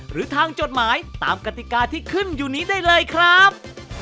หรือทางจดหมายตามกติกาที่ขึ้นอยู่นี้ได้เลยครับ